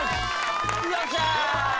よっしゃ！